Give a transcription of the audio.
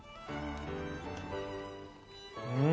うん！